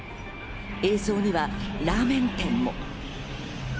映像にはラーメン店も。